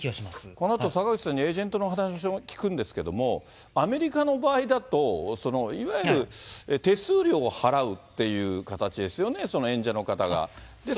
このあと、坂口さんにエージェントのお話を聞くんですけれども、アメリカの場合だと、いわゆる手数料を払うっていう形ですよね、演者の方が。